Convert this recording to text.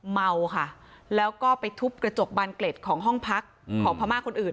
เมาค่ะแล้วก็ไปทุบกระจกบานเกล็ดของห้องพักของพม่าคนอื่น